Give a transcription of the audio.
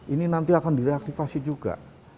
ini nanti akan direaktivasi juga